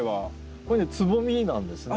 これねつぼみなんですね。